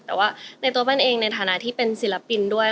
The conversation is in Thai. แต่ว่าในตัวแป้นเองในฐานะที่เป็นศิลปินด้วย